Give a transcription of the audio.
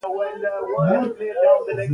زه یو ښه مسلمان یم